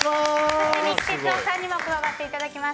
そして、三木哲男さんにも加わっていただきます。